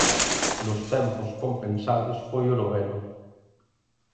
Nos tempos compensados foi o noveno.